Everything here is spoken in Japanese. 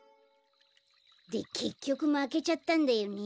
でけっきょくまけちゃったんだよね。